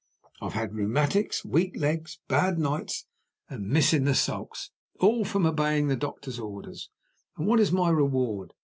I've had rheumatics, weak legs, bad nights, and miss in the sulks all from obeying the doctor's orders. And what is my reward?